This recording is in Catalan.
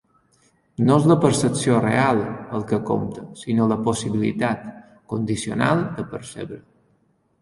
No és la percepció "real" el que compte, sinó la "possibilitat" condicional de percebre.